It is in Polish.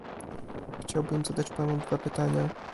Chciałbym zadać panu dwa pytania